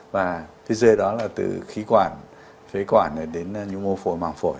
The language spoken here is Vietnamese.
và phía dưới đó là từ khí quản phế quản đến nhu mô phổi màng phổi